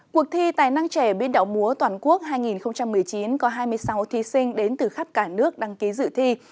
cuộc thi tài năng trẻ biên đạo múa toàn quốc hai nghìn một mươi chín có hai mươi sáu thí sinh đến từ khắp cả nước đăng ký dự thi